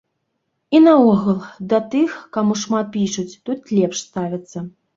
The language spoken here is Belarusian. І наогул, да тых, каму шмат пішуць, тут лепш ставяцца.